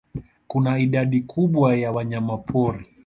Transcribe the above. Kuna idadi kubwa ya wanyamapori.